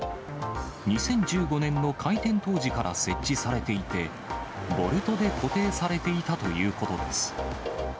２０１５年の開店当時から設置されていて、ボルトで固定されていたということです。